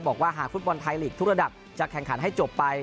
บอกว่าหากฟุตบอลไทยลีกทุกระดับจะแข่งขันให้จบไป